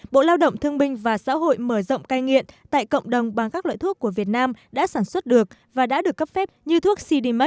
bộ lao động thương binh và xã hội mở rộng cai nghiện tại cộng đồng bằng các loại thuốc của việt nam đã sản xuất được và đã được cấp phép như thuốc cdma